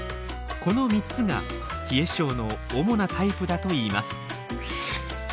この３つが冷え症の主なタイプだといいます。